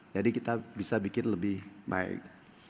jadi kita bisa bikin lebih baik